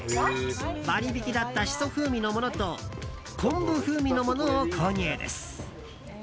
割引だったシソ風味のものと昆布風味のものを購入です。